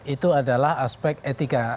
itu adalah aspek etika